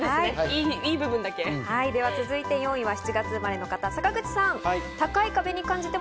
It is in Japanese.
続いて４位は７月生まれの方、坂口さん。